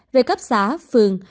về cấp xã phường